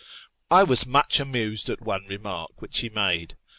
I was much amused at one remark which he made.